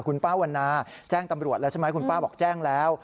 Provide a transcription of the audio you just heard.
คุณป้าวันนาแจ้งตำรวจแล้วใช่ไหมคุณป้าบอกแจ้งแล้ว